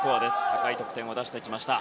高い得点を出してきました。